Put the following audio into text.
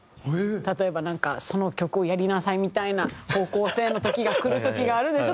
例えば「その曲をやりなさい」みたいな方向性の時がくる時があるでしょ？